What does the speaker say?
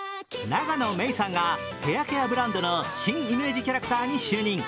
永野芽郁さんがヘアケアブランドの新イメージキャラクターに就任。